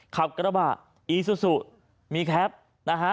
ขับกระบะอีซูซูมีแคปนะฮะ